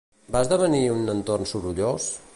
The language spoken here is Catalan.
Va esdevenir un entorn sorollós?